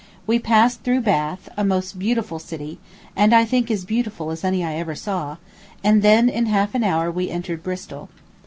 We passed through Bath, a most beautiful city, (and I think as beautiful as any I ever saw,) and then in half an hour we entered Bristol.